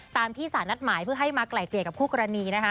ตามที่สารนัดหมายเพื่อให้มาไกล่เกลี่ยกับคู่กรณีนะคะ